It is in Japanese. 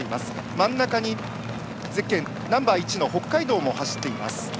真ん中にゼッケンナンバー１の北海道も走っています。